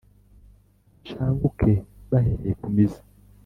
bashanguke bahereye ku mizi,